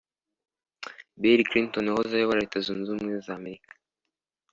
Bill Clinton wahoze ayobora Leta Zunze Ubumwe z’ Amerika